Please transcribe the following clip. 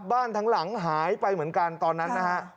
บ้านทางหลังหายไปเหมือนกันตอนนั้นนะครับ